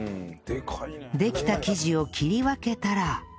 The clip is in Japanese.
できた生地を切り分けたら